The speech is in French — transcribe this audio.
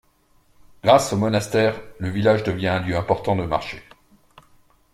Grâce au monastère, le village devient un lieu important de marché.